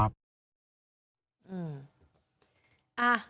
อ่า